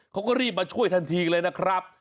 เขาก็รีบมาช่วยทันทีเลยนะครับ